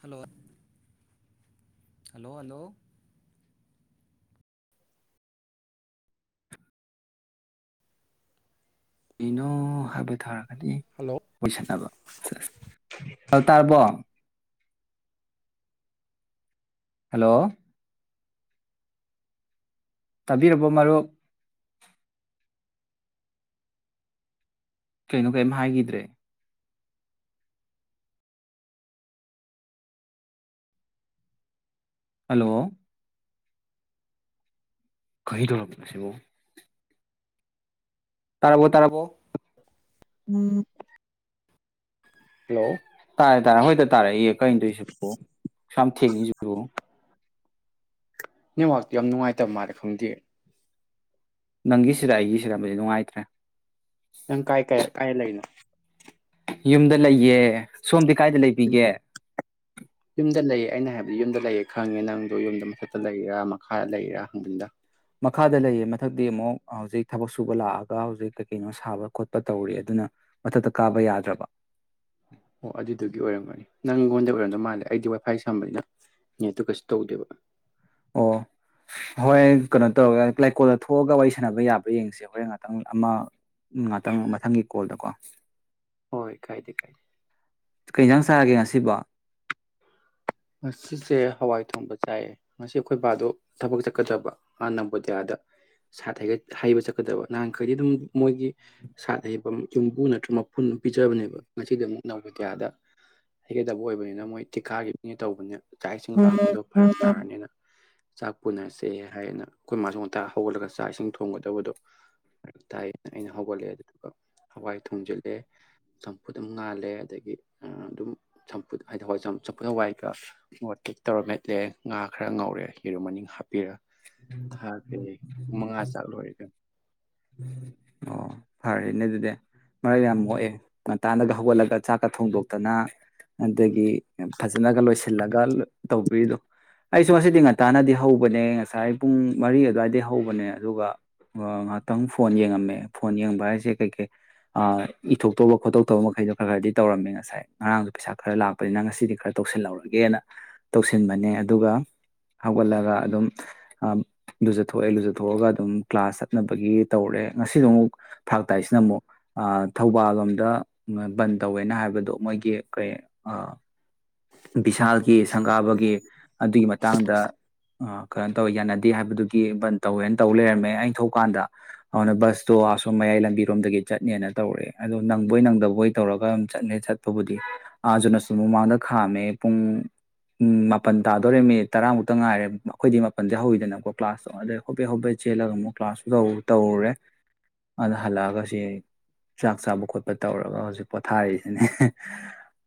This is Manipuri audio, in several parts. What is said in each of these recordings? ꯍꯂꯣ ꯍꯂꯣ ꯍꯂꯣ ꯀꯩꯅꯣ ꯍꯥꯏꯕ ꯊꯥꯔꯛ ꯍꯥꯏꯗꯤ ꯍꯜꯂꯣ ꯑꯣꯏꯁꯟꯅꯕ ꯑꯗꯨ ꯇꯥꯔꯕꯣ ꯍꯜꯂꯣ ꯇꯥꯕꯤꯔꯕꯣ ꯃꯔꯨꯞ ꯀꯩꯅꯣ ꯀꯩꯝ ꯍꯥꯏꯈꯤꯗ꯭ꯔꯦ ꯍꯂꯣ [unintelligible] ꯇꯥꯔꯕꯣ ꯇꯥꯔꯕꯣ ꯎꯝ ꯇꯥꯔꯦ ꯇꯥꯔꯦ ꯍꯨꯢꯇ ꯇꯥꯔꯛꯏꯌꯦ ꯀꯩꯅꯗꯣꯏꯁꯤꯕꯣ ꯁꯨꯛꯌꯥꯝ ꯊꯦꯡꯉꯤꯁꯤꯕꯣ ꯅꯦꯠꯋꯥꯛꯇꯨ ꯌꯥꯝ ꯅꯨꯡꯉꯥꯏꯇꯕ ꯃꯥꯂ ꯈꯪꯗꯦ ꯅꯪꯒꯤꯁꯤꯗ ꯑꯩꯒꯤꯁꯤꯗꯗꯤ ꯅꯨꯡꯉꯥꯏꯇ꯭ꯔꯦ ꯅꯪ ꯀꯥꯏ ꯀꯌꯥ ꯀꯥꯏ ꯂꯩꯅ ꯌꯨꯝꯗ ꯂꯩꯌꯦ ꯁꯣꯝꯗꯤ ꯀꯥꯏꯗ ꯂꯩꯕꯤꯒꯦ ꯌꯨꯝꯗ ꯂꯩꯌꯦ ꯑꯩꯅ ꯍꯥꯏꯕꯗꯤ ꯌꯨꯝꯗ ꯂꯩꯌꯦ ꯈꯪꯉꯦ ꯅꯪꯗꯣ ꯌꯨꯝꯗ ꯃꯊꯛꯇ ꯂꯩꯔꯤꯔꯥ ꯃꯈꯥꯗ ꯂꯩꯔꯤꯔꯥ ꯍꯪꯕꯅꯤꯅ ꯃꯈꯥꯗ ꯂꯩꯌꯦ ꯃꯊꯛꯇꯤ ꯑꯃꯨꯛ ꯍꯧꯖꯤꯛ ꯊꯕꯛ ꯁꯨꯕ ꯂꯥꯛꯑꯒ ꯍꯧꯖꯤꯛ ꯀꯩ ꯀꯩꯅꯣ ꯁꯥꯕ ꯈꯣꯠꯄ ꯇꯧꯔꯤ ꯑꯗꯨꯅ ꯃꯊꯛꯇ ꯀꯥꯕ ꯌꯥꯗ꯭ꯔꯕ ꯃꯥꯂꯦ ꯑꯩꯗꯤ ꯋꯥꯏ ꯐꯥꯏ ꯁꯝꯕꯅꯤꯅ ꯅꯦꯠꯇꯨ ꯀꯩꯁꯨ ꯇꯧꯗꯦꯕ ꯑꯣ ꯍꯣꯏ ꯀꯩꯅꯣ ꯇꯧꯔꯒꯦ ꯂꯩꯥꯏꯀꯣꯜꯗ ꯊꯣꯛꯑꯒ ꯋꯥꯔꯤ ꯁꯥꯟꯅꯕ ꯌꯥꯕ꯭ꯔꯥ ꯌꯦꯡꯁꯦ ꯍꯣꯔꯦꯟ ꯉꯥꯛꯇꯪ ꯑꯃ ꯉꯥꯛꯇꯪ ꯃꯊꯪꯒꯤ ꯀꯣꯜꯗꯀꯣ ꯍꯣꯏ ꯀꯥꯏꯗꯦ ꯀꯥꯏꯗꯦ ꯀꯩꯁꯥꯡ ꯁꯥꯔꯒꯦ ꯉꯁꯤꯕ ꯉꯁꯤꯁꯦ ꯍꯋꯥꯏ ꯊꯣꯡꯕ ꯆꯥꯏꯌꯦ ꯉꯁꯤ ꯑꯩꯈꯣꯏꯕꯥꯗꯣ ꯊꯕꯛ ꯆꯠꯀꯗꯕ ꯅ ꯅꯕꯣꯗꯤꯌꯥꯗ ꯁꯥꯠ ꯍꯩꯕ ꯆꯠꯀꯗꯕ ꯅꯍꯥꯟꯈꯩꯗꯤ ꯑꯗꯨꯝ ꯃꯣꯏꯒꯤ ꯁꯥꯠ ꯍꯩꯕ ꯌꯨꯝꯕꯨ ꯅꯠꯇ꯭ꯔꯒ ꯃꯐꯨꯟ ꯄꯤꯖꯕꯅꯦꯕ ꯉꯁꯤꯗꯤ ꯑꯗꯨꯝ ꯅꯕꯣꯗꯤꯌꯥꯗ ꯍꯩꯒꯗꯕ ꯑꯣꯏꯕꯅꯤꯅ ꯃꯣꯏ ꯊꯤꯀꯥꯒꯤ ꯑ ꯇꯧꯕꯅꯦꯅ ꯆꯥꯛ ꯏꯁꯤꯡ ꯊꯣꯡꯕꯗꯣ ꯐ ꯇꯥꯔꯅꯤꯅ ꯆꯥꯛ ꯄꯨꯅꯁꯦ ꯍꯥꯏꯌꯦꯅ ꯑꯩꯈꯣꯏ ꯃꯥꯁꯨ ꯉꯇꯥ ꯍꯧꯒꯠꯂꯒ ꯆꯥꯛ ꯏꯁꯤꯡ ꯊꯣꯡꯒꯗꯕꯗꯣ ꯐꯔ ꯇꯥꯏꯌꯦꯅ ꯑꯩꯅ ꯍꯧꯒꯠꯂꯛꯑꯦ ꯑꯗꯨꯒ ꯍꯋꯥꯏ ꯊꯣꯡꯖꯤꯜꯂꯦ ꯆꯝꯐꯨꯠ ꯑꯗꯨꯝ ꯉꯥꯜꯂꯦ ꯑꯗꯒꯤ ꯑꯗꯨꯝ ꯆꯝꯐꯨꯠ ꯍꯥꯏꯗꯤ ꯍ ꯆꯝꯐꯨꯠ ꯍꯋꯥꯏ ꯃꯣꯔꯣꯇꯦꯛ ꯇꯧꯔ ꯃꯦꯠꯂꯦ ꯉꯥ ꯈꯔ ꯉꯧꯔꯦ ꯌꯦꯔꯨꯝ ꯃꯅꯤꯡ ꯍꯥꯞꯄꯤꯔꯒ ꯊꯥ ꯐꯦ ꯃꯉꯥ ꯆꯥꯛꯂꯣꯏ ꯑꯣ ꯐꯔꯦꯅꯦ ꯑꯗꯨꯗꯤ ꯃꯔꯛ ꯌꯥꯝ ꯃꯣꯛꯑꯦ ꯉꯟꯇꯥꯅꯒ ꯍꯧꯒꯠꯂꯒ ꯆꯥꯛꯀ ꯊꯣꯡꯗꯣꯛꯇꯅ ꯑꯗꯒꯤ ꯐꯖꯅꯒ ꯂꯣꯏꯁꯤꯜꯂꯒ ꯇꯧꯕꯤꯔꯤꯗꯣ ꯑꯩꯁꯨ ꯉꯁꯤꯗꯤ ꯉꯟꯇꯥꯅꯗꯤ ꯍꯧꯕꯅꯦ ꯉꯁꯥꯏ ꯄꯨꯡ ꯃꯔꯤ ꯑꯗꯨꯋꯥꯏꯗ ꯍꯧꯕꯅꯦ ꯑꯗꯨꯒ ꯉꯥꯏꯍꯥꯛꯇꯪ ꯐꯣꯟ ꯌꯦꯡꯉꯝꯃꯦ ꯐꯣꯟ ꯌꯦꯡꯕ ꯍꯥꯏꯁꯦ ꯀꯩ ꯀꯩ ꯑ ꯏꯊꯣꯛꯇꯧꯕ ꯈꯣꯠꯇꯣꯛꯇꯕ ꯃꯈꯩꯗꯣ ꯈꯔ ꯈꯔꯗꯤ ꯇꯧꯔꯝꯃꯦ ꯉꯁꯥꯏ ꯉꯔꯥꯡꯁꯨ ꯄꯩꯁꯥ ꯈꯔ ꯂꯥꯛꯄꯅꯤꯅ ꯉꯁꯤꯗꯤ ꯈꯔ ꯇꯧꯁꯤꯜꯍꯧꯔꯒꯦꯅ ꯇꯧꯁꯤꯟꯕꯅꯦ ꯑꯗꯨꯒ ꯍꯧꯒꯠꯂꯒ ꯑꯗꯨꯝ ꯂꯨꯖꯊꯣꯛꯑꯦ ꯂꯨꯖꯊꯣꯛꯑꯒ ꯑꯗꯨꯝ ꯀ꯭ꯂꯥꯁ ꯆꯠꯅꯕꯒꯤ ꯇꯧꯔꯦ ꯉꯁꯤꯗꯣ ꯑꯃꯨꯛ ꯐꯔꯛ ꯇꯥꯏꯁꯤꯅ ꯑꯃꯨꯛ ꯊꯧꯕꯥꯜ ꯂꯣꯝꯗ ꯕꯟ ꯇꯧꯋꯦꯅ ꯍꯥꯏꯕꯗꯣ ꯃꯣꯏꯒꯤ ꯀꯩ ꯚꯤꯁꯥꯜꯒꯤ ꯁꯪꯒꯥꯕꯒꯤ ꯑꯗꯨꯒꯤ ꯃꯇꯥꯡꯗ ꯑ ꯀꯩꯅꯣ ꯇꯧꯋ ꯌꯥꯅꯗꯦ ꯍꯥꯏꯕꯗꯨꯒꯤ ꯕꯟ ꯇꯧꯋꯦꯅ ꯇꯧ ꯂꯩꯔꯝꯃꯦ ꯑꯩꯅ ꯊꯣꯛꯀꯥꯟꯗ ꯑꯗꯨꯅ ꯕꯁꯇꯣ ꯑꯁꯣꯝ ꯃꯌꯥꯏ ꯂꯝꯕꯤꯔꯣꯝꯗꯒꯤ ꯆꯠꯅꯦꯅ ꯇꯧꯔꯦ ꯑꯗꯣ ꯅꯪꯕꯣꯏ ꯅꯪꯗꯕꯣꯏ ꯇꯧꯔꯒ ꯑꯗꯨꯝ ꯆꯠꯅꯦ ꯆꯠꯄꯕꯨꯗꯤ ꯑꯥꯖꯅꯁꯨ ꯃꯃꯥꯡꯗ ꯈꯥꯝꯃꯦ ꯄꯨꯡ ꯃꯥꯄꯜ ꯇꯥꯗꯣꯔꯦ ꯃꯤꯅꯤꯠ ꯇꯔꯥꯃꯨꯛꯇ ꯉꯥꯏꯔꯦ ꯑꯩꯈꯣꯏꯗꯤ ꯃꯥꯄꯜꯗ ꯍꯧꯋꯏꯗꯅꯀꯣ ꯀ꯭ꯂꯥꯁ ꯇꯧꯗꯩ ꯍꯣꯄꯦ ꯍꯣꯄꯦ ꯆꯦꯜꯂꯒ ꯑꯃꯨꯛ ꯀ꯭ꯂꯥꯁꯁꯨ ꯇꯧꯔꯨꯔꯦ ꯑꯗꯨꯗ ꯍꯜꯂꯛꯑꯒ ꯁꯤ ꯆꯥꯛ ꯆꯥꯕ ꯈꯣꯠꯄ ꯇꯧꯔꯒ ꯍꯧꯖꯤꯛ ꯄꯣꯊꯥꯔꯤꯛꯔꯤꯁꯤꯅꯦ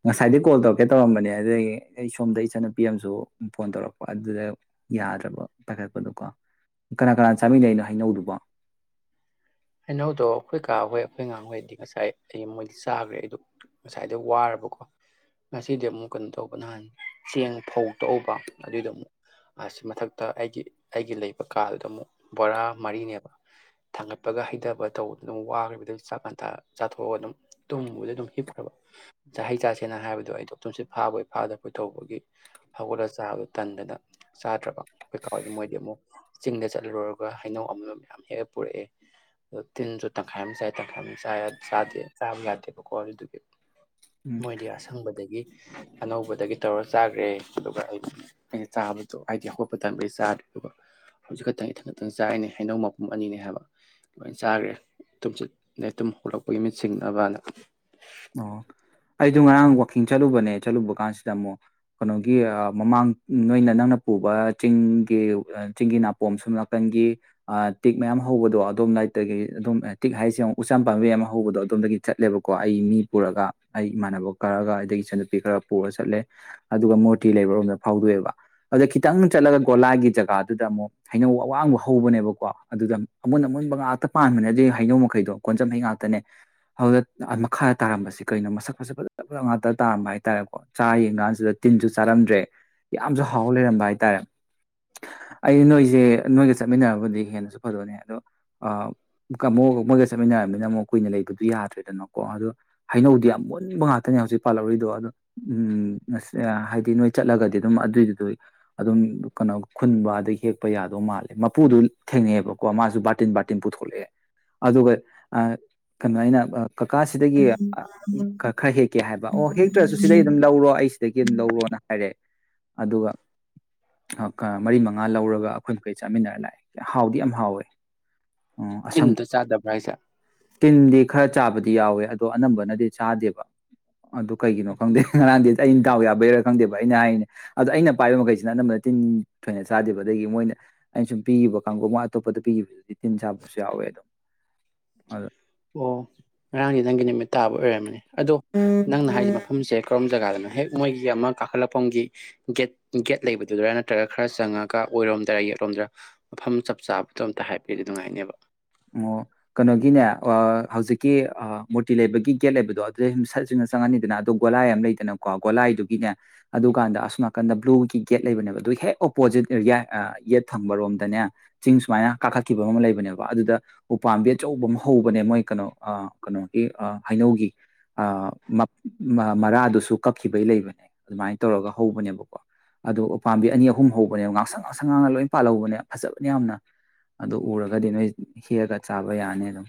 ꯉꯁꯥꯏꯗꯤ ꯀꯣꯜ ꯇꯧ ꯀꯦꯠ ꯇꯧꯔꯝꯕꯅꯦ ꯑꯗꯨꯗꯒꯤ ꯑꯩ ꯁꯣꯝꯗ ꯏꯆꯟꯅꯨꯄꯤ ꯑꯃꯁꯨ ꯐꯣꯟ ꯇꯧꯔꯛꯄ ꯑꯗꯨꯗ ꯌꯥꯗ꯭ꯔꯕ ꯄꯥꯏꯈꯠꯄꯗꯣꯀꯣ ꯀꯅꯥ ꯀꯅꯥ ꯆꯥꯃꯤꯟꯅꯩꯩꯅꯣ ꯍꯩꯅꯧꯗꯨꯕ ꯍꯩꯅꯧꯗꯣ ꯑꯩꯈꯣꯏ ꯀꯥꯍꯣꯏ ꯑꯩꯈꯣꯏ ꯑꯉꯥꯡꯍꯣꯏꯗꯤ ꯉꯁꯥꯏ ꯑꯩ ꯃꯣꯏꯗꯤ ꯆꯥꯈ꯭ꯔꯦ ꯑꯩꯗꯣ ꯉꯁꯥꯏꯗ ꯋꯥꯔꯕꯀꯣ ꯉꯁꯤꯗꯤ ꯑꯃꯨꯛ ꯀꯩꯅꯣ ꯇꯧꯕ ꯅꯍꯥꯟ ꯆꯦꯡ ꯐꯧ ꯇꯛꯎꯕ ꯑꯗꯨꯏꯗꯣ ꯑꯃꯨꯛ ꯑꯁꯤ ꯃꯊꯛꯇ ꯑꯩꯒꯤ ꯑꯩꯒꯤ ꯂꯩꯕ ꯀꯥꯗꯨꯗ ꯑꯃꯨꯛ ꯕꯣꯔꯥ ꯃꯔꯤꯅꯦꯕ ꯊꯥꯡꯒꯠꯄꯤ ꯄꯒ ꯍꯩꯊꯕ ꯇꯧꯕꯗ ꯑꯗꯨꯝ ꯋꯥꯈ꯭ꯔꯤꯕꯗ ꯆꯥꯛ ꯀꯥꯟꯊ ꯆꯥꯊꯣꯛꯑꯒ ꯑꯗꯨꯝ ꯇꯨꯝꯕꯗ ꯑꯗꯨꯝ ꯍꯤꯞꯈ꯭ꯔꯕ ꯍꯩ ꯆꯥꯁꯦꯅ ꯍꯥꯏꯕꯗꯣ ꯑꯩꯗꯣ ꯇꯨꯝꯁꯤꯠ ꯐꯥꯕꯣꯏ ꯐꯥꯗꯕꯣꯏ ꯇꯧꯕꯒꯤ ꯍꯧꯒꯠꯂꯒ ꯆꯥꯕꯗꯣ ꯇꯟꯗꯅ ꯆꯥꯗ꯭ꯔꯕ ꯀꯩꯀꯥꯎꯗꯤ ꯃꯣꯏꯗꯤ ꯑꯃꯨꯛ ꯆꯤꯡꯗ ꯆꯠꯂꯨꯔꯒ ꯍꯩꯅꯧ ꯑꯃꯅ ꯃꯌꯥꯝ ꯍꯦꯛ ꯄꯨꯔꯛꯑꯦ ꯇꯤꯟꯖꯨ ꯇꯪꯈꯥꯏꯃꯥ ꯆꯥꯏ ꯇꯪꯈꯥꯏꯃꯥ ꯆꯥ ꯌꯥ ꯆꯥ ꯌꯥꯗꯦꯕꯀꯣ ꯑꯗꯨꯗꯨꯒꯤ ꯎꯝ ꯃꯣꯏꯗꯤ ꯑꯁꯪꯕꯗꯒꯤ ꯑꯅꯧꯕꯗꯒꯤ ꯇꯧꯔ ꯆꯥꯈ꯭ꯔꯦ ꯑꯗꯨꯒ ꯑꯩꯗꯤ ꯑꯩꯅ ꯆꯥꯕꯗ ꯍꯥꯏꯗꯤ ꯍꯧꯒꯠꯄ ꯇꯗꯤ ꯆꯥꯗ꯭ꯔꯦ ꯑꯗꯨ ꯍꯧꯖꯤꯛ ꯈꯛꯇꯪ ꯏꯊꯪ ꯈꯇꯪ ꯆꯥꯔꯤꯅꯦ ꯑꯩꯅꯧ ꯃꯄꯨꯝ ꯑꯅꯤꯅꯦ ꯍꯥꯏꯕ ꯂꯣꯏ ꯆꯥꯈ꯭ꯔꯦ ꯇꯨꯝ ꯆ ꯇꯨꯝ ꯍꯧꯒꯠꯂꯛꯄꯒꯤ ꯃꯤꯠ ꯁꯤꯡꯅꯕꯅ ꯑꯣ ꯑꯩꯗꯣ ꯉꯔꯥꯡ ꯋꯥꯋꯥꯛꯀꯤꯡ ꯆꯠꯂꯨꯕꯅꯦ ꯆꯠꯂꯨꯕ ꯀꯥꯟꯁꯤꯗ ꯑꯃꯨꯛ ꯀꯩꯅꯣꯒꯤ ꯃꯃꯥꯡ ꯅꯣꯏꯅ ꯅꯪꯅ ꯄꯨꯕ ꯆꯤꯡꯒꯤ ꯆꯤꯡꯒꯤ ꯅꯥꯄꯣꯝ ꯁꯨꯝ ꯅꯥꯀꯟꯒꯤ ꯑ ꯇꯤꯛ ꯃꯌꯥꯝ ꯍꯧꯕꯗꯣ ꯑꯗꯣꯝꯗꯥꯏꯇꯒꯤ ꯑꯣꯝ ꯇꯤꯛ ꯍꯥꯏꯁꯦ ꯑꯃꯨꯛ ꯎꯝ ꯄꯥꯝꯕꯤꯌꯥꯝ ꯑꯃ ꯍꯧꯕꯗꯣ ꯑꯗꯣꯝꯗꯒꯤ ꯆꯠꯂꯦꯕꯀꯣ ꯑꯩ ꯃꯤ ꯄꯨꯔꯒ ꯑꯩ ꯏꯃꯥꯟꯅꯕ ꯈꯔꯒ ꯑꯗꯒꯤ ꯏꯆꯟꯅꯨꯄꯤ ꯈꯔ ꯄꯨꯔ ꯆꯠꯂꯦ ꯑꯗꯨꯒ ꯃꯨꯔꯇꯤ ꯂꯩꯕꯔꯣꯝꯗ ꯐꯥꯎꯗꯣꯛꯑꯦꯕ ꯑꯗꯨꯗ ꯈꯤꯇꯪ ꯆꯠꯂꯒ ꯒꯣꯂꯥꯏꯒꯤ ꯖꯒꯥꯗꯨꯗ ꯑꯃꯨꯛ ꯍꯩꯅꯧ ꯑꯋꯥꯡꯕ ꯍꯧꯕꯅꯦꯕꯀꯣ ꯑꯗꯨꯗ ꯑꯃꯨꯟ ꯑꯃꯨꯟꯕ ꯉꯥꯛꯇ ꯄꯥꯟꯕꯅꯦ ꯑꯗꯨ ꯍꯩꯅꯧ ꯃꯈꯩꯗꯣ ꯀꯣꯟꯖꯝ ꯍꯩ ꯉꯥꯛꯇꯅꯦ ꯑꯗꯨꯗ ꯃꯈꯥ ꯇꯥꯔꯝꯕꯁꯤ ꯀꯔꯤꯅꯣ ꯃꯁꯛ ꯃꯁꯛ ꯐꯖꯅ ꯐꯖꯅ ꯉꯥꯛꯇ ꯇꯥꯔꯝꯕ ꯍꯥꯏꯇꯥꯔꯦꯀꯣ ꯆꯥꯔꯥ ꯌꯦꯡꯀꯥꯟꯁꯤꯗ ꯇꯤꯟꯁꯨ ꯆꯥꯔꯝꯗ꯭ꯔꯦ ꯌꯥꯝꯅꯁꯨ ꯍꯥꯎ ꯂꯩꯔꯝꯕ ꯍꯥꯏꯇꯥꯔꯦ ꯑꯩ ꯅꯣꯏꯁꯦ ꯅꯣꯏꯒ ꯆꯠꯃꯤꯟꯅꯔꯕꯨꯗꯤ ꯍꯦꯟꯅꯁꯨ ꯐꯗꯣꯛꯅꯦ ꯑꯗꯣꯃꯣ ꯃꯣꯏꯒ ꯆꯠꯃꯤꯟꯅꯔꯝꯅꯤꯅ ꯑꯃꯨꯛ ꯀꯨꯏꯅ ꯂꯩꯕꯗꯨ ꯌꯥꯗ꯭ꯔꯦꯗꯅꯀꯣ ꯑꯗꯣ ꯍꯩꯅꯧꯗꯤ ꯌꯥꯝ ꯃꯨꯟꯕ ꯉꯥꯛꯇꯅꯦ ꯍꯧꯖꯤꯛ ꯄꯥꯜꯍꯧꯔꯤꯗꯣ ꯑ ꯎꯝ ꯍꯥꯏꯗꯤ ꯅꯣꯏ ꯆꯠꯂꯒꯗꯤ ꯑꯗꯨꯝ ꯑꯗꯨꯏꯗꯨꯗ ꯑꯗꯨꯝ ꯀꯩꯅꯣ ꯈꯨꯟꯕ ꯑꯗꯩ ꯍꯦꯛꯄ ꯌꯥꯗꯧ ꯃꯥꯜꯂꯦ ꯃꯄꯨꯗꯨ ꯊꯦꯡꯅꯩꯑꯕꯀꯣ ꯃꯥꯁꯨ ꯕꯥꯔꯇꯤꯟ-ꯕꯥꯔꯇꯤꯟ ꯄꯨꯊꯣꯛꯂꯛꯑꯦ ꯑꯗꯨꯒ ꯑ ꯀꯩꯅꯣ ꯑꯩꯅ ꯀꯀꯥꯥ ꯁꯤ ꯑꯗꯒꯤ ꯈ ꯈꯔ ꯍꯦꯛꯀꯦ ꯍꯥꯏꯕ ꯑꯣ ꯍꯦꯛꯇ꯭ꯔꯁꯨ ꯁꯤꯗꯒꯤ ꯑꯗꯨꯝ ꯂꯧꯔꯣ ꯑꯩ ꯁꯤꯗꯒꯤ ꯑꯗꯨꯝ ꯂꯧꯔꯣꯅ ꯍꯥꯏꯔꯦ ꯑꯗꯨꯒ ꯑꯥ-ꯀꯥ ꯃꯔꯤ ꯃꯉꯥ ꯂꯧꯔꯒ ꯑꯩꯈꯣꯏ ꯃꯈꯩ ꯆꯥꯃꯤꯟꯅꯔ ꯂꯥꯛꯑꯦ ꯍꯥꯎꯗꯤ ꯌꯥꯝ ꯍꯥꯎꯋꯦ ꯑꯁꯪ ꯆꯤꯟꯗ ꯆꯥꯗꯕ꯭ꯔꯥ ꯍꯥꯏꯁꯦ ꯇꯤꯟ ꯗꯤ ꯈꯔ ꯆꯥꯕꯗꯤ ꯌꯥꯎꯋꯦ ꯑꯗꯣ ꯑꯅꯝꯕꯅꯗꯤ ꯆꯥꯗꯦꯕ- ꯑꯗꯨ ꯀꯩꯒꯤꯅꯣ ꯈꯪꯗꯦ ꯍꯥ ꯉꯔꯥꯟꯗꯤ ꯑꯩꯩꯅ ꯗꯥꯎ ꯌꯥꯕꯩꯔꯥ ꯈꯪꯗꯦꯕ ꯑꯩꯅ ꯍꯥꯏꯔꯤꯅꯦ ꯑꯗꯣ ꯑꯩꯅ ꯄꯥꯏꯕ ꯃꯈꯩꯁꯤꯅ ꯑꯅꯝꯕꯅ ꯇꯤꯟ ꯊꯣꯏꯅ ꯆꯥꯗꯦꯕ ꯑꯗꯒꯤ ꯃꯣꯏꯅ ꯑꯩꯅ ꯁꯨꯝ ꯄꯤꯈꯤꯕ ꯀꯥꯡꯕꯨ ꯃꯣꯏ ꯑꯇꯣꯞꯄꯗ ꯄꯤꯈꯤꯕꯗꯨꯗꯤ ꯇꯤꯟ ꯆꯥꯕꯁꯨ ꯌꯥꯎꯋꯦ ꯑꯗꯨꯝ ꯑꯗꯨ ꯑꯣ ꯉꯔꯥꯡꯗꯤ ꯅꯪꯒꯤ ꯅꯨꯃꯤꯠ ꯇꯥꯕ ꯑꯣꯏꯔꯝꯝꯕꯅꯦ ꯑꯗꯣ ꯅꯪꯅ ꯍꯥꯏꯗꯤ ꯃꯐꯝꯁꯦ ꯀꯔꯣꯝ ꯖꯒꯥꯗꯅꯣ ꯍꯦꯛ ꯃꯣꯏꯒꯤ ꯑꯃ ꯀꯥꯈꯠꯂꯛꯄꯒꯤ ꯒꯦꯠ ꯒꯦꯠ ꯂꯩꯕꯗꯨꯗꯔꯥ ꯅꯠꯇ꯭ꯔꯒ ꯈꯔ ꯆꯪꯉꯒ ꯑꯣꯏꯔꯣꯝꯗꯔꯥ ꯌꯦꯛꯂꯣꯝꯗꯔꯥ ꯃꯐꯝ ꯆꯞ ꯆꯥꯕꯗꯣ ꯑꯝꯇ ꯍꯥꯏꯕꯤꯗꯤ ꯅꯨꯉꯥꯏꯅꯦꯕ ꯑꯣ ꯀꯩꯅꯣꯒꯤꯅꯦ ꯑꯣ ꯍꯧꯖꯤꯛꯀꯤ ꯑꯥ ꯃꯨꯔꯇꯤ ꯂꯩꯕꯒꯤ ꯒꯦꯠ ꯂꯩꯕꯗꯣ ꯑꯗꯨꯗꯩ ꯁꯨꯝ ꯁꯠ ꯆꯤꯡꯅ ꯆꯪꯉꯅꯤꯗꯅ ꯑꯗꯣ ꯒꯣꯂꯥꯏ ꯑꯃ ꯂꯩꯗꯅꯀꯣ ꯒꯣꯂꯥꯏꯗꯨꯒꯤꯅꯦ ꯑꯗꯨꯀꯥꯟꯗ ꯑꯁꯣ ꯅꯥꯀꯟꯗ ꯕ꯭ꯂꯨꯒꯤ ꯒꯦꯠ ꯂꯩꯕꯅꯦꯕ ꯑꯗꯨ ꯍꯦꯛ ꯑꯣꯄꯣꯖꯤꯠ ꯑꯦꯔꯤꯌꯥ ꯌꯦꯠ ꯊꯪꯕꯔꯣꯝꯗꯅꯦ ꯆꯤꯡ ꯁꯨꯃꯥꯏꯅ ꯀꯥꯈꯠꯈꯤꯕ ꯑꯃ ꯂꯩꯕꯅꯦꯕ ꯑꯗꯨꯗ ꯎꯄꯥꯝꯕꯤ ꯑꯆꯧꯕ ꯑꯃ ꯍꯧꯕꯅꯦ ꯃꯣꯏ ꯀꯩꯅꯣ ꯑ ꯀꯩꯅꯣꯒꯤ ꯑꯥ ꯍꯩꯅꯧꯒꯤ ꯑ ꯃꯔꯥꯗꯨꯁꯨ ꯀꯛꯈꯤꯕꯩ ꯂꯩꯕꯅꯦ ꯑꯗꯨꯃꯥꯏꯅ ꯇꯧꯔꯒ ꯍꯧꯕꯅꯦꯕꯀꯣ ꯑꯗꯣ ꯎꯄꯥꯝꯕꯤ ꯑꯅꯤ ꯑꯍꯨꯝ ꯍꯧꯕꯅꯦꯕ ꯉꯥꯡꯁꯪ ꯉꯥꯡꯁꯪ ꯉꯥꯡꯅ ꯂꯣꯏ ꯄꯥꯜꯍꯧꯕꯅꯦ ꯐꯖꯕꯅꯦ ꯌꯥꯝꯅ ꯑꯗꯨ ꯎꯔꯒꯗꯤ ꯅꯣꯏ ꯍꯦꯛꯑꯒ ꯆꯥꯕ ꯌꯥꯅꯤ ꯑꯗꯨꯝ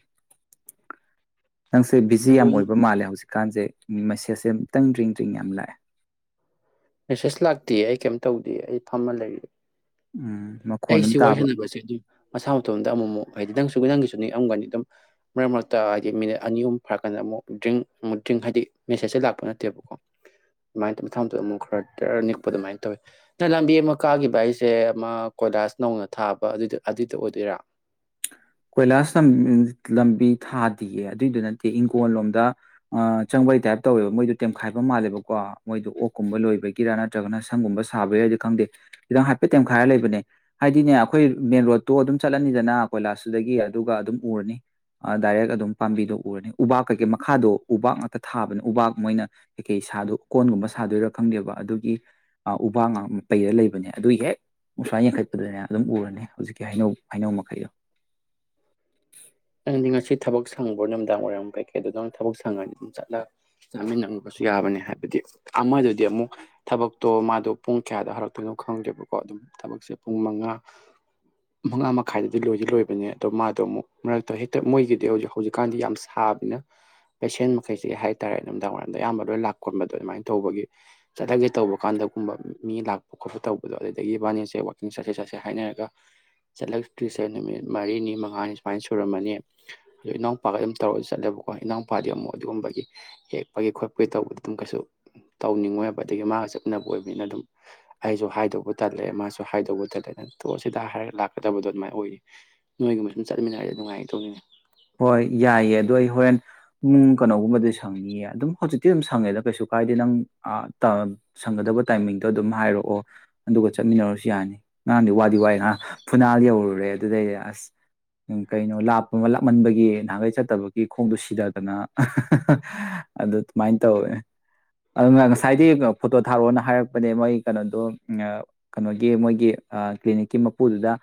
ꯅꯪꯁꯦ ꯕꯤꯖꯤ ꯑꯗꯣ ꯌꯥꯝ ꯑꯣꯏꯕ ꯃꯥꯜꯂꯦ ꯍꯧꯖꯤꯛꯀꯥꯟꯖꯦ ꯃꯦꯁꯦꯁꯁꯦ ꯑꯃꯨꯛꯇꯪ ꯗ꯭ꯔꯤꯡ-ꯗ꯭ꯔꯤꯡ ꯌꯥꯝ ꯂꯥꯛꯑꯦ ꯃꯦꯁꯦꯖ ꯂꯥꯛꯇꯦ ꯑꯩ ꯀꯩꯝ ꯇꯧꯗꯦ ꯑꯩ ꯐꯝꯃ ꯂꯩ ꯎꯝ ꯃꯈꯣꯟ ꯑꯃ ꯑꯩꯁꯤ ꯋꯥꯔꯤ ꯇꯥꯕ ꯁꯥꯟꯅꯕꯁꯦ ꯑꯗꯨꯝ ꯃꯁꯥ ꯃꯇꯣꯝꯗ ꯑꯃꯨꯛ-ꯃꯨꯛ ꯍꯥꯏꯗꯤ ꯈꯤꯗꯪ ꯁꯒꯗꯪꯒꯤꯁꯨ ꯅꯤꯛꯑꯝꯒꯅꯤ ꯑꯗꯨꯝ ꯃꯔꯛ ꯃꯔꯛꯇ ꯍꯥꯏꯗꯤ ꯃꯤꯅꯤꯠ ꯑꯅꯤ ꯑꯍꯨꯝ ꯐꯥꯔꯛꯀꯥꯟꯗ ꯑꯃꯨꯛ ꯗ꯭ꯔꯤꯡ ꯑꯃꯨꯛ ꯗ꯭ꯔꯤꯡ ꯍꯥꯏꯗꯤ ꯃꯦꯁꯦꯁꯁꯦ ꯂꯥꯛꯄ ꯅꯠꯇꯦꯕꯀꯣ ꯑꯗꯨꯃꯥꯏꯅ ꯇꯧ ꯃꯊꯪꯗ ꯑꯃꯨꯛ ꯈꯔꯗꯔ ꯅꯤꯛꯄ ꯑꯗꯨꯃꯥꯏꯅ ꯇꯧꯋꯤ ꯅ ꯂꯝꯕꯤ ꯑꯃ ꯀꯥꯈꯤꯕ ꯍꯥꯏꯁꯦ ꯑꯃ ꯀꯣꯏꯂꯥꯁ ꯅꯧꯅ ꯊꯥꯕ ꯑꯗꯨꯗꯨ ꯑꯗꯨꯗꯨ ꯑꯣꯏꯗꯣꯏꯔ ꯀꯣꯏꯂꯥꯁ ꯂꯝ-ꯂꯝꯕꯤ ꯊꯥꯗꯦꯌꯦ ꯑꯗꯨꯏꯗꯨ ꯅꯠꯇꯦ ꯏꯪꯈꯣꯜ ꯂꯣꯝꯗ ꯑꯥ ꯆꯪꯕꯩ ꯇꯥꯏꯞ ꯇꯧꯋꯦꯕ ꯃꯣꯏꯗꯣ ꯇꯦꯝꯈꯥꯏꯕ ꯃꯥꯜꯂꯦꯕꯀꯣ ꯃꯣꯏꯗ ꯑꯣꯛꯀꯨꯝꯕ ꯂꯣꯏꯕꯒꯤꯔ ꯅꯠꯇ꯭ꯔꯒꯅ ꯁꯪꯒꯨꯝꯕ ꯁꯥꯕꯒꯤꯔꯗꯤ ꯈꯪꯗꯦ ꯈꯤꯗꯪ ꯍꯥꯏꯐꯦꯠ ꯇꯦꯝꯈꯥꯏꯔ ꯂꯩꯕꯅꯦ ꯍꯥꯏꯗꯤꯅꯦ ꯑꯩꯈꯣꯏ ꯃꯦꯟ ꯔꯣꯗꯠꯇꯣ ꯑꯗꯨꯝ ꯆꯠꯂꯅꯤꯗꯅ ꯀꯣꯏꯂꯥꯁ ꯑꯗꯨꯗꯒꯤ ꯑꯗꯨꯒ ꯑꯗꯨꯝ ꯎꯔꯅꯤ ꯗꯥꯏꯔꯦꯛ ꯑꯗꯨꯝ ꯄꯥꯝꯕꯤꯗꯣ ꯎꯔꯅꯤ ꯎꯄꯥꯛ ꯀꯩꯀꯩ ꯃꯈꯥꯗꯣ ꯎꯄꯥꯛꯥꯛ ꯉꯥꯛꯇ ꯊꯥꯕꯅꯦ ꯎꯄꯥꯛꯥꯛ ꯃꯣꯏꯅ ꯀꯩꯀꯩ ꯁꯥꯗꯣ ꯎ ꯀꯣꯟꯒꯨꯝꯕ ꯁꯥꯗꯣꯏꯔꯥ ꯈꯪꯗꯦꯕ ꯑꯗꯨꯒꯤ ꯎꯕꯥꯛ ꯉꯥꯛ ꯄꯩꯔ ꯂꯩꯕꯅꯦ ꯑꯗꯨ ꯍꯦꯛ ꯎꯨꯥꯥꯏ ꯌꯦꯡꯈꯠꯄꯗꯅꯦ ꯑꯗꯨꯝ ꯎꯔꯅꯤ ꯍꯧꯖꯤꯛꯀꯤ ꯍꯩꯅꯧ-ꯍꯩꯅꯧ ꯃꯈꯩꯗꯣ ꯁꯤ ꯪꯗꯤ ꯉꯁꯤ ꯊꯕꯛ ꯁꯪꯕ꯭ꯔꯣ ꯅꯨꯃꯤꯗꯥꯡ ꯋꯥꯔꯝ ꯀꯩꯀꯩ ꯑꯗꯨꯗ ꯊꯕꯛ ꯁꯪꯉꯗꯤ ꯑꯗꯨꯝ ꯆꯠꯂ ꯆꯥꯃꯤꯟꯅꯕꯁꯨ ꯌꯥꯕꯅꯦ ꯍꯥꯏꯕꯗꯤ ꯑꯃꯗꯨꯗꯤ ꯑꯃꯨꯛ ꯊꯕꯛꯇꯣ ꯃꯥꯗꯣ ꯄꯨꯡ ꯀꯌꯥꯗꯣ ꯍꯧꯔꯛꯇꯣꯏꯅꯣ ꯈꯪꯗꯦꯕꯀꯣ ꯑꯗꯨꯝ ꯊꯕꯛꯁꯦ ꯄꯨꯡ ꯃꯉꯥ ꯃꯉꯥ ꯃꯈꯥꯏꯗꯗꯤ ꯂꯣꯏꯗꯤ ꯂꯣꯏꯕꯅꯦ ꯑꯗꯣ ꯃꯥꯗꯣ ꯑꯃꯨꯛ ꯃꯔꯛꯇ ꯍꯦꯛꯇ ꯃꯣꯏꯒꯤꯗꯤ ꯍꯧꯖꯤꯛ ꯍꯧꯖꯤꯛꯀꯥꯟꯗꯤ ꯌꯥꯝ ꯁꯥꯕꯅꯤꯅ ꯄꯦꯁꯦꯟ ꯃꯈꯩꯁꯤ ꯍꯥꯏꯇꯥꯔꯦ ꯅꯨꯃꯤꯗꯥꯡ ꯋꯥꯏꯝꯗ ꯑꯌꯥꯝꯕ ꯂꯣꯏ ꯂꯥꯛ ꯈꯣꯠꯕꯗꯣ ꯑꯗꯨꯃꯥꯏꯅ ꯇꯧꯕꯒꯤ ꯆꯠꯂꯁꯦ ꯇꯧꯕ ꯀꯥꯟꯗꯒꯨꯝꯕ ꯃꯤ ꯂꯥꯛꯄ ꯈꯣꯠꯄ ꯇꯧꯕꯗꯣ ꯑꯗꯨꯗꯒꯤ ꯃꯥꯕꯥꯅꯤꯁꯦ ꯋꯥꯛꯀꯤꯡ ꯆꯠꯁꯦ ꯆꯠꯁꯦ ꯍꯥꯏꯅꯔꯒ ꯆꯠꯂꯛꯇ꯭ꯔꯤꯁꯦ ꯅꯨꯃꯤꯠ ꯃꯔꯤꯅꯤ ꯃꯉꯥꯅꯤ ꯁꯃꯥꯏꯅ ꯁꯨꯔꯝꯃꯅꯤ ꯑꯗꯨꯗꯣ ꯏꯅꯥꯎꯄꯥꯒ ꯑꯗꯨꯝ ꯇꯧꯔꯁꯨ ꯆꯠꯂꯦꯕꯀꯣ ꯏꯅꯥꯎꯄꯥꯗꯤ ꯑꯃꯨꯛ ꯑꯗꯨꯒꯨꯝꯕꯒꯤ ꯌꯦꯛꯄꯒꯤ ꯈꯣꯠꯄꯒꯤ ꯇꯧꯕꯗ ꯑꯗꯨꯝ ꯀꯩꯁꯨ ꯇꯧꯅꯤꯡꯉꯣꯏꯕ ꯑꯗꯒꯤ ꯃꯥꯒ ꯆꯠꯃꯤꯅꯕ ꯑꯣꯏꯕꯅꯤꯅ ꯑꯗꯨꯝ ꯑꯩꯁꯨ ꯍꯥꯏꯗꯧꯕ ꯇꯜꯂꯦ ꯃꯥꯁꯨ ꯍꯥꯏꯗꯧꯕ ꯇꯜꯂꯦ ꯇ ꯁꯤꯗ ꯍꯥꯏꯔꯒ ꯂꯥꯛꯀꯗꯕꯗꯣ ꯑꯗꯨꯃꯥꯏꯅ ꯑꯣꯏꯔꯤ ꯅꯣꯏꯒꯨꯝꯕ ꯎꯨ ꯆꯠꯃꯤꯟꯅꯔꯗꯤ ꯅꯨꯡꯉꯥꯏꯒꯗꯧꯅꯤꯅꯦ ꯍꯣꯏ ꯌꯥꯏꯌꯦ ꯑꯗꯣ ꯑꯩ ꯍꯣꯔꯦꯟ ꯄꯨꯡ ꯀꯩꯅꯣꯒꯨꯝꯕꯗꯤ ꯁꯪꯅꯤꯌꯦ ꯑꯗꯨꯝ ꯍꯧꯖꯤꯛꯇꯤ ꯑꯗꯨꯝ ꯁꯪꯉꯦꯗ ꯀꯩꯁꯨ ꯀꯥꯏꯗꯦ ꯅꯪ ꯑꯥ ꯇꯥ ꯁꯪꯒꯗꯕ ꯇꯥꯏꯃꯤꯡꯗꯣ ꯑꯗꯨꯝ ꯍꯥꯏꯔꯛꯑꯣ ꯑꯗꯨꯒ ꯆꯠꯃꯤꯟꯅꯔꯁꯨ ꯌꯥꯅꯤ ꯉꯔꯥꯡꯗꯤ ꯋꯥꯗꯤ ꯋꯥꯏ ꯉꯥꯡ ꯐꯨꯅꯥꯜ ꯌꯧꯔꯨꯔꯦ ꯑꯗꯨꯗꯩꯗꯤ ꯑꯁ ꯀꯩꯅꯣ ꯂꯥꯞꯄ ꯑꯃ ꯂ ꯃꯟꯕꯒꯤ ꯅꯍꯥꯟꯒꯩ ꯆꯠꯇꯕꯒꯤ ꯈꯣꯡꯗꯣ ꯁꯤꯗꯗꯅ ꯑ ꯍ ꯍ ꯍ ꯑꯗꯨ ꯑꯗꯨꯃꯥꯏꯅ ꯇꯧꯋꯦ ꯑꯗꯨꯅ ꯉꯁꯥꯏꯗꯤ ꯐꯣꯇꯣ ꯊꯥꯔꯛꯑꯣꯅ ꯍꯥꯏꯔꯛꯄꯅꯦ ꯃꯣꯏ ꯀꯩꯅꯣꯗꯣ ꯀꯩꯅꯣꯒꯤ ꯃꯣꯏꯒꯤ ꯀ꯭ꯂꯤꯅꯤꯛꯀꯤ ꯃꯄꯨꯗꯨꯗ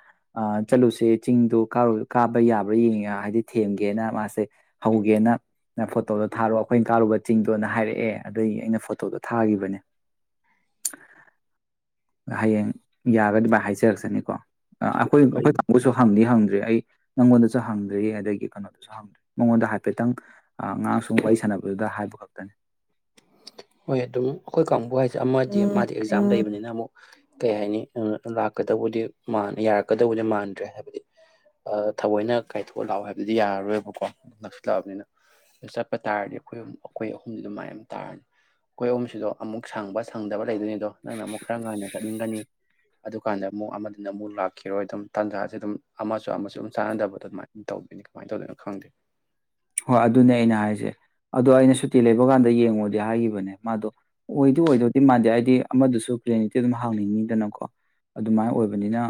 ꯆꯠꯂꯨꯁꯦ ꯆꯤꯡꯗꯨ ꯀꯥꯔ ꯀꯥꯕ ꯌꯥꯕ꯭ꯔꯥ ꯌꯦꯡꯉꯦ ꯗꯤ ꯊꯦꯝꯒꯦꯅ ꯃꯥꯁꯦ ꯍꯧꯒꯦꯅ ꯅ ꯐꯣꯇꯣꯗꯣ ꯊꯥꯔꯣꯑꯣ ꯑꯩꯈꯣꯏꯅ ꯀꯥꯔꯨꯕ ꯆꯤꯡꯗꯣꯅ ꯍꯥꯏꯔꯛꯑꯦ ꯑꯗꯨꯗꯒꯤ ꯑꯩꯅ ꯐꯣꯇꯣꯗꯣ ꯊꯥꯈꯤꯕꯅꯦ ꯍꯌꯦꯡ ꯌꯥꯔꯗꯤ ꯃꯥꯏ ꯍꯥꯏꯖꯔꯛꯆꯅꯤꯀꯣ ꯑ ꯑꯩꯈꯣꯏ ꯍꯣꯏ ꯑꯩꯈꯣꯏ ꯀꯥꯡꯕꯨꯁꯨ ꯍꯪꯗꯤ ꯍꯪꯗ꯭ꯔꯤ ꯑꯩ ꯅꯪꯉꯣꯟꯗꯁꯨ ꯍꯪ ꯑꯗꯒꯤ ꯀꯩꯅꯣꯗꯨꯁꯨ ꯍꯪꯗ꯭ꯔꯤ ꯃꯉꯣꯟꯗ ꯍꯥꯏꯐꯦꯠꯇꯪ ꯉꯥꯔꯥꯡ ꯁꯨꯝ ꯋꯥꯔꯤ ꯁꯥꯟꯅꯕꯗꯨꯗ ꯍꯥꯏꯕ ꯈꯛꯇꯅꯤ ꯍꯣꯏ ꯑꯗꯨꯝ ꯑꯩꯈꯣꯏ ꯀꯥꯡꯕꯨ ꯍꯥꯏꯁꯦ ꯑꯃꯗꯤ ꯃꯥꯗꯤ ꯑꯦꯛꯖꯥꯝ ꯂꯩꯕꯅꯤꯅ ꯑꯃꯨꯛ ꯀꯩ ꯍꯥꯏꯅꯤ ꯂꯥꯛꯀꯗꯧꯕꯗꯤ ꯌꯥꯔꯛꯀꯗꯕꯨꯗꯤ ꯃꯥꯟꯗ꯭ꯔꯦ ꯍꯥꯏꯕꯗꯤ ꯊꯑꯣꯏꯅ ꯀꯥꯏꯊꯣꯛꯑ ꯂꯥꯛꯑꯣ ꯍꯥꯏꯕꯗꯤ ꯌꯥꯔꯔꯣꯏꯕꯀꯣ ꯂꯥꯛꯁꯤꯜꯂꯛꯑꯕꯅꯤꯅ ꯑꯗꯨ ꯆꯠꯄ ꯇꯥꯔꯗꯤ ꯑꯩꯈꯣꯏ ꯑꯩꯈꯣꯏ ꯑꯍꯨꯝꯗ ꯑꯗꯨ ꯃꯥꯏ ꯑꯃ ꯇꯥꯔꯅꯤ ꯑꯩꯈꯣꯏ ꯑꯍꯨꯝꯁꯤꯁꯨ ꯑꯃꯨꯛ ꯁꯪꯕ ꯁꯪꯗꯕ ꯂꯩꯗꯣꯏꯅꯤ ꯗꯣ ꯅꯪꯅ ꯑꯃꯛ ꯈꯔ ꯉꯟꯅ ꯆꯠ ꯅꯤꯡꯒꯅꯤ ꯑꯗꯨꯀꯥꯟꯗ ꯑꯃꯨꯛ ꯑꯃꯗꯨꯅ ꯑꯃꯨꯛ ꯂꯥꯛꯈꯤꯔꯣꯏ ꯑꯗꯨꯝ ꯇꯥꯟꯖꯥꯁꯦ ꯑꯗꯨꯝ ꯑꯃꯁꯨ ꯑꯃꯁꯨ ꯑꯗꯨꯝ ꯆꯥꯟꯅꯗꯕꯗꯣ ꯑꯗꯨꯃꯥꯏꯅ ꯇꯧꯗꯣꯏꯅꯤ ꯀꯃꯥꯏꯅ ꯇꯧꯗꯣꯏꯅꯣ ꯈꯪꯗꯦ ꯍꯣꯏ ꯑꯗꯨꯅꯦ ꯑꯩꯅ ꯍꯥꯏꯁꯦ ꯑꯗꯣ ꯑꯩꯅ ꯁꯨꯇꯤ ꯂꯩꯕ ꯀꯥꯟꯗ ꯌꯦꯡꯉꯨꯗꯤ ꯍꯥꯏꯒꯤꯈꯤꯕꯅꯦ ꯃꯥꯗꯣ ꯑꯣꯏꯗꯤ ꯑꯣꯏꯗꯧꯗꯤ ꯃꯥꯟꯗꯦ ꯍꯥꯏꯗꯤ ꯑꯃꯗꯨꯁꯨ ꯀ꯭ꯦꯅꯤꯛꯇꯤ ꯑꯗꯨꯝ ꯍꯥꯡꯅꯤꯡꯉꯤꯗꯅꯀꯣ ꯑꯗꯨꯃꯥꯏꯅ ꯑꯣꯏꯕꯅꯤꯅ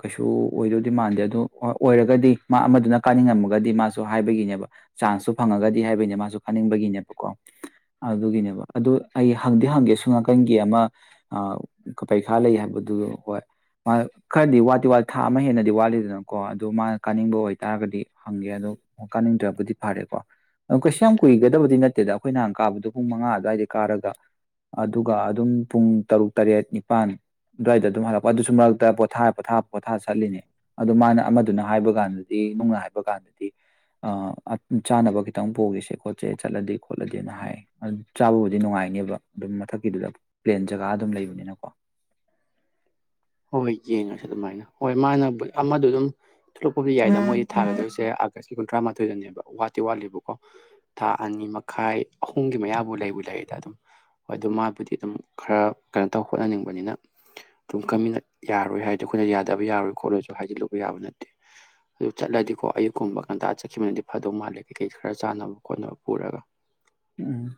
ꯀꯩꯁꯨ ꯑꯣꯏꯗꯧꯗꯤ ꯃꯥꯟꯗꯦ ꯑꯗꯨ ꯑꯣꯏꯔꯒꯗꯤ ꯃꯥ ꯑꯃꯗꯨꯅ ꯀꯥꯅꯤꯡꯉꯝꯃꯒꯗꯤ ꯃꯥꯁꯨ ꯍꯥꯏꯕꯒꯤꯅꯦꯕ ꯆꯥꯟꯁꯇꯨ ꯐꯪꯉꯒꯗꯤ ꯍꯥꯏꯕꯒꯤꯅꯦ ꯃꯥꯁꯨ ꯀꯥꯅꯤꯡꯕꯒꯤꯅꯦꯕꯀꯣ ꯑꯗꯨꯒꯤꯅꯦꯕ ꯑꯗꯨ ꯑꯩ ꯍꯪꯗꯤ ꯍꯪꯒꯦ ꯁꯨꯡꯅꯥꯀꯟꯒꯤ ꯑꯃ ꯄꯔꯤꯈꯥ ꯂꯩ ꯍꯥꯏꯕꯗꯨ ꯍꯣꯏ ꯃꯥ ꯈꯔꯗꯤ ꯋꯥꯠꯇꯤ ꯋꯥꯠꯂꯤ ꯊꯥ ꯑꯃ ꯍꯦꯟꯅꯗꯤ ꯋꯥꯠꯂꯤꯗꯅꯀꯣ ꯑꯗꯨ ꯃꯥꯅ ꯀꯥꯅꯤꯡꯕ ꯑꯣꯏꯇꯥꯥꯔꯒꯗꯤ ꯍꯪꯒꯦ ꯑꯗꯣ ꯀꯥꯅꯤꯡꯗ꯭ꯔꯕ ꯕꯨꯗꯤ ꯐꯔꯦꯀꯣ ꯑꯣ ꯀꯩꯁꯨ ꯌꯥꯝ ꯀꯨꯏꯒꯗꯕꯗꯤ ꯅꯠꯇꯦꯗ ꯑꯩꯈꯣꯏ ꯅꯍꯥꯟ ꯀꯥꯕꯗꯣ ꯄꯨꯡ ꯃꯉꯥ ꯑꯗꯨ꯭ꯋꯥꯏꯗ ꯀꯥꯔꯒ ꯑꯗꯨꯒ ꯑꯗꯨꯝ ꯄꯨꯡ ꯇꯔꯨꯛ ꯇꯔꯦꯠ ꯅꯤꯄꯥꯜ ꯑꯗꯨꯋꯥꯏꯗ ꯑꯗꯨꯝ ꯍꯜꯂꯛꯄ ꯑꯗꯨꯁꯨ ꯃꯔꯛꯇ ꯄꯣꯊꯥ ꯄꯣꯊꯥ ꯄꯣꯊꯥ ꯆꯠꯂꯤꯅꯦ ꯑꯗꯨꯗꯣ ꯃꯥꯅ ꯑꯃꯗꯨꯅ ꯍꯥꯏꯕ ꯀꯥꯟꯗꯗꯤ ꯅꯨꯡꯅ ꯍꯥꯏꯕ ꯀꯥꯟꯗꯗꯤ ꯆꯥꯅꯕ ꯈꯤꯇꯪ ꯄꯣꯛꯒꯦꯁꯦ ꯈꯣꯠꯁꯦ ꯆꯠꯂꯗꯤ ꯈꯣꯠꯂꯗꯤꯅ ꯍꯥꯏ ꯆꯥꯕꯕꯨꯗꯤ ꯅꯨꯡꯉꯥꯏꯅꯦꯕ ꯑꯗꯨꯝ ꯃꯊꯛꯀꯤꯗꯨꯗ ꯄ꯭ꯂꯦꯟ ꯖꯒꯥ ꯑꯗꯨꯝ ꯂꯩꯕꯅꯤꯅꯀꯣ ꯍꯣꯏ ꯍꯣꯏ ꯌꯦꯡꯉꯁꯤ ꯑꯗꯨꯃꯥꯏꯅ ꯍꯣꯏ ꯃꯥꯅ ꯑꯃꯗ ꯑꯗꯨꯝ ꯊꯣꯂꯛꯄꯕꯨꯗꯤ ꯌꯥꯏꯗ ꯃꯣꯏꯗꯤ ꯊꯥꯒꯗꯣꯏꯔꯤꯁꯦ ꯑꯥꯒꯁꯀꯤ ꯀꯨꯟꯊ꯭ꯔꯥ ꯃꯥꯊꯣꯏꯗꯅꯦꯕ ꯋꯥꯠꯇꯤ ꯋꯥꯠꯂꯤꯕꯀꯣ ꯊꯥ ꯑꯅꯤ ꯃꯈꯥꯏ ꯑꯍꯨꯝꯒꯤ ꯃꯌꯥꯕꯨ ꯂꯩꯕꯨ ꯂꯩꯔꯤꯗ ꯑꯗꯨꯝ ꯍꯣꯏ ꯑꯗꯨ ꯃꯥꯕꯨꯗꯤ ꯑꯗꯨꯝ ꯈꯔ ꯀꯩꯅꯣ ꯇꯧ ꯍꯣꯠꯅꯅꯤꯡꯕꯅꯤꯅ ꯑꯗꯨꯝ ꯀꯃꯤꯟꯅ ꯌꯥꯔꯣꯏ ꯍꯥꯏꯔꯗꯤ ꯑꯩꯈꯣꯏꯅ ꯌꯥꯗꯕ ꯌꯥꯔꯣꯏ ꯈꯣꯠꯂꯣꯏꯁꯨ ꯍꯥꯏꯗꯤꯂꯨꯕ ꯌꯥꯕ ꯅꯠꯇꯦ ꯑꯗꯨ ꯆꯠꯂꯗꯤꯀꯣ ꯑꯌꯨꯛꯀꯨꯝꯕ ꯉꯟꯇꯥ ꯆꯠꯈꯤꯕꯅꯗꯤ ꯐꯗꯧ ꯃꯥꯜꯂꯦ ꯀꯩꯀꯩ ꯈꯔ ꯆꯥꯅꯕ ꯈꯣꯠꯅꯕ ꯄꯨꯔꯒ ꯎꯝ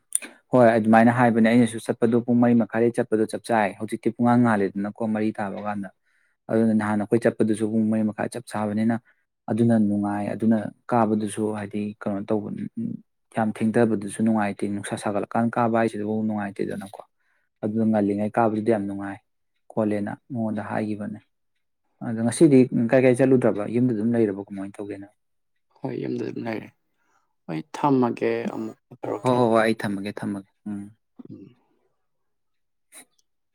ꯍꯣꯏ ꯑꯗꯨꯃꯥꯏꯅ ꯍꯥꯏꯕꯅꯦ ꯑꯩꯅꯁꯨ ꯆꯠꯄꯗꯣ ꯄꯨꯡ ꯃꯔꯤ ꯃꯈꯥꯏꯗꯩ ꯆꯠꯄꯗꯣ ꯆꯞ ꯆꯥꯏ ꯍꯧꯖꯤꯛꯇꯤ ꯄꯨꯡꯉꯥꯡ ꯉꯥꯜꯂꯦꯗꯅꯀꯣ ꯃꯔꯤ ꯇꯥꯕ ꯀꯥꯟꯗ ꯑꯗꯨꯅ ꯅꯍꯥꯟ ꯑꯩꯈꯣꯏ ꯆꯠꯄꯗꯨꯁꯨ ꯄꯨꯡ ꯃꯔꯤ ꯃꯈꯥꯏꯗ ꯆꯞ ꯆꯥꯕꯅꯤꯅ ꯑꯗꯨꯅ ꯅꯨꯡꯉꯥꯏ ꯑꯗꯨꯅ ꯀꯥꯕꯗꯨꯁꯨ ꯍꯥꯏꯗꯤ ꯀꯩꯅꯣ ꯇꯧꯕ ꯌꯥꯝ ꯊꯦꯡꯊꯕꯗꯨꯁꯨ ꯅꯨꯡꯉꯥꯏꯇꯦ ꯅꯨꯡꯁꯥ ꯁꯥꯒꯠꯂꯛꯀꯥꯟꯗ ꯀꯥꯕ ꯍꯥꯏꯁꯤꯐꯥꯎ ꯅꯨꯡꯉꯥꯏꯇꯦꯗꯅꯀꯣ ꯑꯗꯨꯗ ꯉꯜꯂꯤꯉꯩ ꯀꯥꯕꯗꯨꯗꯤ ꯌꯥꯝ ꯅꯨꯡꯉꯥꯏ ꯈꯣꯠꯂꯦꯅ ꯃꯉꯣꯟꯗ ꯍꯥꯏꯈꯤꯕꯅꯦ ꯑꯗꯣ ꯉꯁꯤꯗꯤ ꯀꯥꯏ ꯀꯥꯏ ꯆꯠꯂꯨꯗ꯭ꯔꯕ ꯌꯨꯝꯗ ꯑꯗꯨꯝ ꯂꯩꯔꯕ ꯀꯃꯥꯏꯅ ꯇꯧꯒꯦꯅ ꯍꯣꯏ ꯌꯨꯝꯗ ꯑꯗꯨꯝ ꯂꯩꯔꯦ ꯑꯩ ꯊꯝꯃꯒꯦ ꯑꯃꯨꯛ ꯍ ꯇꯧꯔꯛꯀꯦ ꯍ ꯍ ꯑꯩ ꯊꯝꯃꯒꯦ ꯊꯝꯃꯛ ꯎꯝ ꯎꯝ [inaudible]